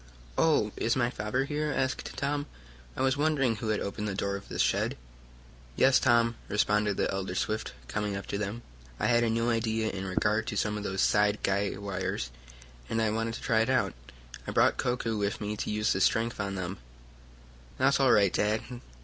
"Oh, is my father here?" asked Tom. "I was wondering who had opened the door of this shed." "Yes, Tom," responded the elder Swift, coming up to them, "I had a new idea in regard to some of those side guy wires, and I wanted to try it out. I brought Koku with me to use his strength on some of them." "That's all right, Dad.